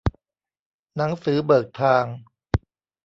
หนังสือเบิกทาง